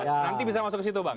nanti bisa masuk ke situ bang